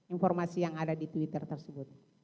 informasi yang ada di twitter tersebut